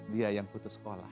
dia yang putus sekolah